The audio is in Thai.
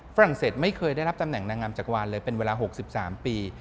ฝรั่งเศสไม่เคยได้รับตำแหนนางงามจักรวาลเลยเป็นเวลา๖๓ปี